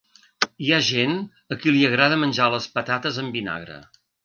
Hi ha gent a qui li agrada menjar les patates amb vinagre.